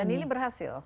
dan ini berhasil